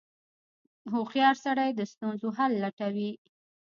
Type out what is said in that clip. • هوښیار سړی د ستونزو حل لټوي.